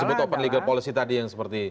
disebut open legal policy tadi yang seperti